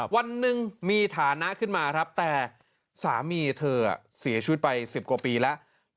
วันหนึ่งมีฐานะขึ้นมาครับแต่สามีเธอเสียชีวิตไป๑๐กว่าปีแล้ว